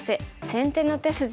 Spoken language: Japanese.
先手の手筋」。